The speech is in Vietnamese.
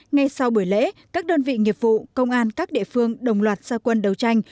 ngay sau buổi lễ các đơn vị nghiệp vụ công an các địa phương đồng loạt gia quân đấu tranh